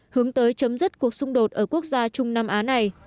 hướng tới chấm dứt cuộc xung đột ở quốc gia trung nam á này